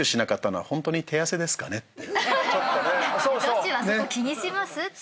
女子はそこ気にしますって。